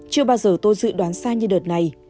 chưa bao giờ tôi dự đoán sai như đợt này